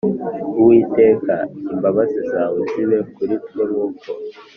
Uwiteka imbabazi zawe zibe kuri twe Nk uko